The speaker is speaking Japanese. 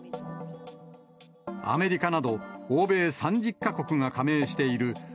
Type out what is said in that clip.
アメリカなど、欧米３０か国が加盟しているＮＡＴＯ